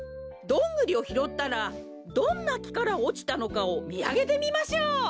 どんぐりをひろったらどんなきからおちたのかをみあげてみましょう。